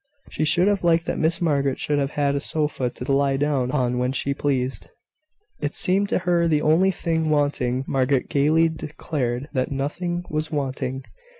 She should have liked that Miss Margaret should have had a sofa to lie down on when she pleased. It seemed to her the only thing wanting. Margaret gaily declared that nothing was wanting.